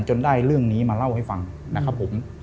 ได้เรื่องนี้มาเล่าให้ฟังนะครับผม